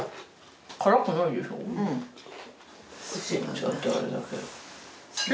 ちょっとあれだけど。